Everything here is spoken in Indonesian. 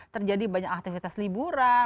terjadi banyak aktivitas liburan